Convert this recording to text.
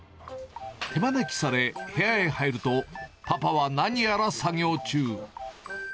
手招きされ、部屋へ入ると、パパは何やら作業中。